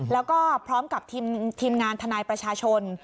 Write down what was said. แล้วก็พร้อมกับทีมงานทนายประชาชน